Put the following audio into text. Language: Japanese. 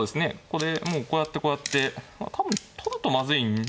これもうこうやってこうやって多分取るとまずい。